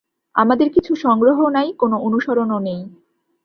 আমাদের কিছু সংগ্রহও নাই, কোনো অনুসরনও নেই।